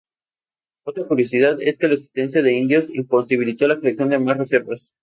Otra curiosidad es que la existencia de indios imposibilitó la creación de más reservas.